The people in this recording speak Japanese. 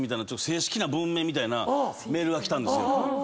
正式な文面みたいなメールが来たんですよ。